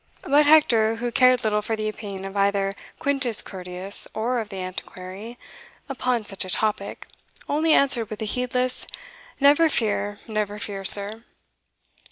But Hector, who cared little for the opinion of either Quintus Curtius or of the Antiquary, upon such a topic, only answered with a heedless "Never fear never fear, sir."